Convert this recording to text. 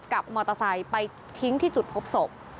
กับมอเตอร์ไซค์ไปทิ้งที่จุดพบศพ